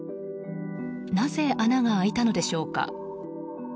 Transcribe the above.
なぜ穴が開いたのでしょうか。